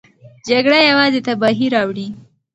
جګړه یوازې تباهي راوړي.